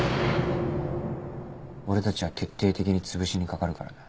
俺たちは徹底的に潰しにかかるからな。